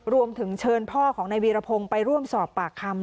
รวมถึงเชิญพ่อของนายวีรพงศ์ไปร่วมสอบปากคำ